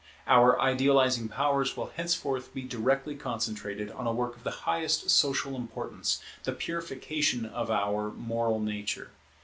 Our idealizing powers will henceforth be directly concentrated on a work of the highest social importance, the purification of our moral nature.